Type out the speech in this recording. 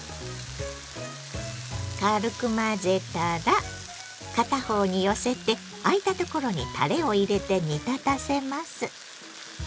軽く混ぜたら片方に寄せてあいたところにたれを入れて煮立たせます。